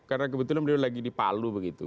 karena kebetulan beliau lagi di palu begitu